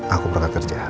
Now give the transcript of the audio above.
aku berangkat kerja